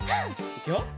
いくよ！